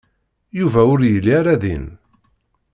Yuba ur yelli ara din.